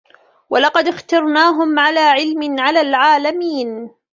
وَلَقَدِ اخْتَرْنَاهُمْ عَلَى عِلْمٍ عَلَى الْعَالَمِينَ